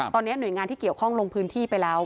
ตอนนี้หน่วยงานที่เกี่ยวข้องลงพื้นที่ไปแล้ว